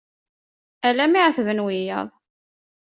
Ala mi εetben wiyaḍ.